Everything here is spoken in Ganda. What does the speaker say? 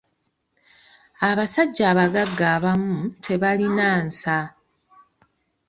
Abasajja abagagga abamu tebalina nsa.